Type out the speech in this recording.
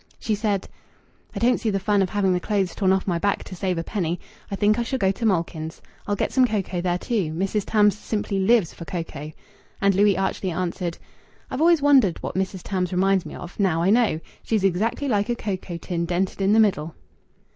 She said "I don't see the fun of having the clothes torn off my back to save a penny. I think I shall go to Malkin's. I'll get some cocoa there, too. Mrs. Tams simply lives for cocoa." And Louis archly answered "I've always wondered what Mrs. Tams reminds me of. Now I know. She's exactly like a cocoa tin dented in the middle."